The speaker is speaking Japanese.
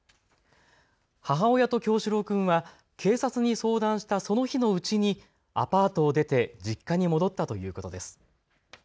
母親と叶志郎君は警察に相談したその日のうちにアパートを出て実家に戻ったということです。